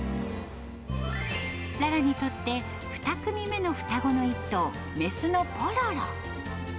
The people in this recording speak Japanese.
ララにとって、２組目の双子の１頭、雌のポロロ。